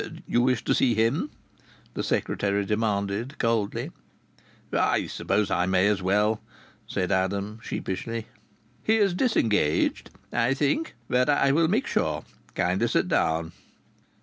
"You wish to see him?" the secretary demanded coldly. "I suppose I may as well," said Adam, sheepishly. "He is disengaged, I think. But I will make sure. Kindly sit down."